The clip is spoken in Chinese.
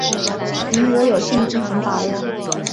名额有限，敬请把握